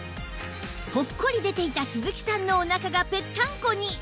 ポッコリ出ていた鈴木さんのお腹がぺったんこに！